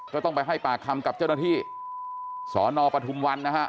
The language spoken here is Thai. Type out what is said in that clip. ก็ต้องไปให้ปากคำกับเจ้าหน้าที่สอนอปทุมวันนะฮะ